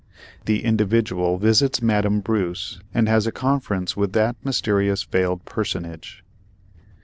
The "Individual" visits Madame Bruce and has a Conference with that Mysterious Veiled Personage.